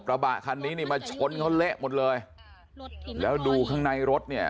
กระบะคันนี้นี่มาชนเขาเละหมดเลยแล้วดูข้างในรถเนี่ย